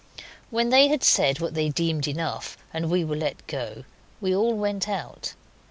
When they had said what they deemed enough and we were let go, we all went out.